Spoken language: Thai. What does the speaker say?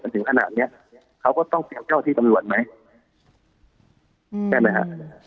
ถึงขนาดเนี้ยเขาก็ต้องเป็นเจ้าที่ตำรวจไหมใช่ไหมฮะ